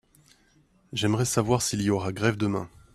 J'aimerais savoir s'il y aura grève demain.